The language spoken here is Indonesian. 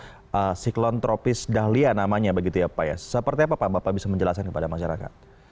ada siklon tropis dahlia namanya begitu ya pak ya seperti apa pak bapak bisa menjelaskan kepada masyarakat